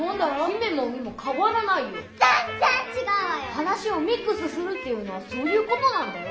話をミックスするっていうのはそういうことなんだよ。